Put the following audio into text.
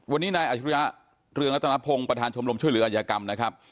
วันนี้นายอาชิริยะเรืองรัตนพงศ์ประธานชมรมช่วยเหลืออัยกรรมนะครับ